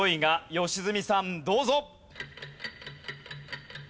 良純さんどうぞ。